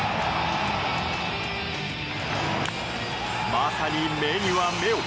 まさに目には目を。